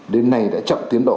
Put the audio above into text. đến nay đã chậm tiến độ